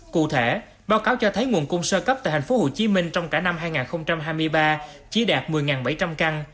cụ thể báo cáo cho thấy nguồn cung sơ cấp tại thành phố hồ chí minh trong cả năm hai nghìn hai mươi ba chỉ đạt một mươi bảy trăm linh căn